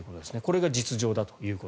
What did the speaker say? これが実情だと。